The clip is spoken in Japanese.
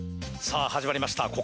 さぁ始まりました